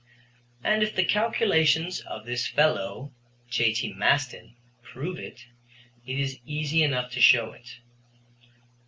And if the calculations of this fellow, J.T. Maston, prove it, it is easy enough to show it.